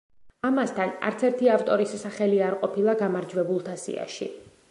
ამასთან, არცერთი ავტორის სახელი არ ყოფილა გამარჯვებულთა სიაში.